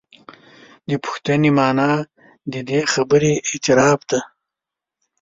د پوښتنې معنا د دې خبرې اعتراف دی.